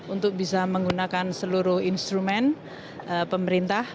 untuk bisa menggunakan seluruh instrumen pemerintah